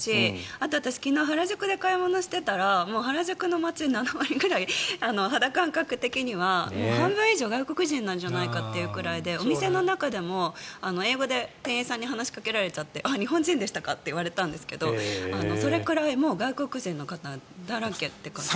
あと私、昨日原宿で買い物をしていたら原宿の街、肌感覚的には半分以上外国人なんじゃないかというぐらいでお店の中でも英語で、店員さんに話しかけられちゃって日本人でしたかって言われたんですがそれくらい外国人の方だらけって感じです。